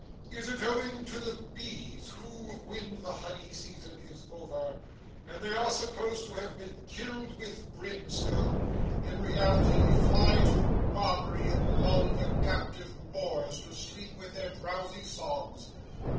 'Is it owing to the bees, who, when the honey season is over, and they are supposed to have been killed with brimstone, in reality fly to Barbary and lull the captive Moors to sleep with their drowsy songs?